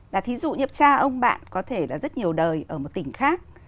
là thí dụ nhập tra ông bạn có thể là rất nhiều đời ở một tỉnh khác